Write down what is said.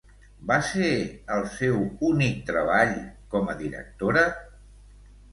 Va ser el seu únic treball com a directora?